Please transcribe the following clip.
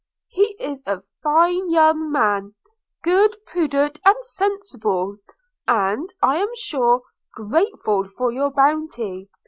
He is a fine young man – good, prudent and sensible; and, I am sure, grateful for your bounty.